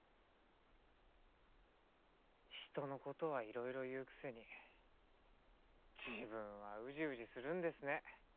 人の事はいろいろ言うくせに自分はうじうじするんですね。